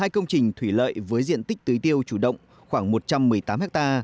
hai công trình thủy lợi với diện tích tưới tiêu chủ động khoảng một trăm một mươi tám ha